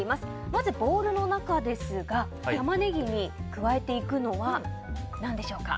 まずボウルの中ですがタマネギに加えていくのは何でしょうか？